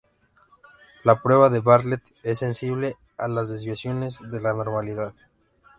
La prueba de Bartlett es sensible a las desviaciones de la normalidad.